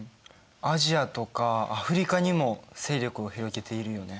アジアとかアフリカにも勢力を広げているよね。